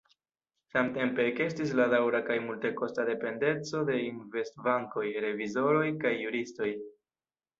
Samtempe ekestis la daŭra kaj multekosta dependeco de investbankoj, revizoroj kaj juristoj.